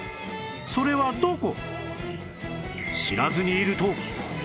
それはどこ？